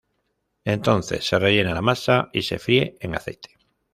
Entonces se rellena la masa y se fríe en aceite.